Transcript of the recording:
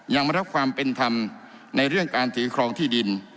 ยังไม่รับความเป็นธรรมในเรื่องการถือครองที่ดิน